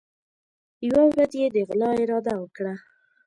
یوه ورځ یې د غلا اراده وکړه.